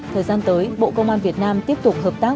thời gian tới bộ công an việt nam tiếp tục hợp tác